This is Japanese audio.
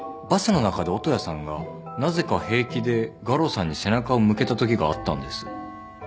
バスの中でオトヤさんがなぜか平気でガロさんに背中を向けたときがあったんです。